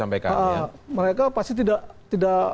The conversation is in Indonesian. mereka pasti tidak